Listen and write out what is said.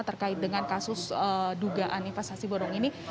terkait dengan kasus dugaan investasi bodong ini